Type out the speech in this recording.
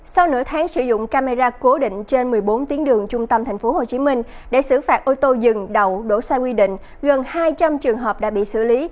sau nửa tháng sử dụng camera cố định trên một mươi bốn tiếng đường trung tâm tp hcm để xử phạt ô tô dừng đậu đổ sai quy định gần hai trăm linh trường hợp đã bị xử lý